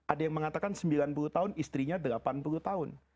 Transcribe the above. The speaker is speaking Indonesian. ada yang mengatakan sembilan puluh tahun istrinya delapan puluh tahun